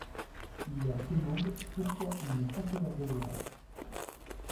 Il leur demande pourquoi ils n'ont pas fait leurs devoirs.